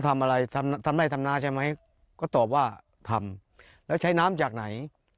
ทำอะไรทำทำไร่ทำนาใช่ไหมก็ตอบว่าทำแล้วใช้น้ำจากไหน